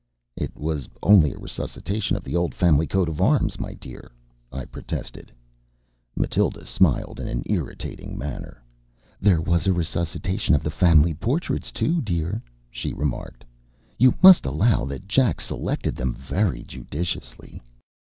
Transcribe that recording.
"It was only a resuscitation of the old family coat of arms, my dear," I protested. Matilda smiled in an irritating manner. "There was a resuscitation of the family portraits, too, dear," she remarked. "You must allow that Jack selected them very judiciously."